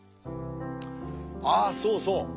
ああそうそう。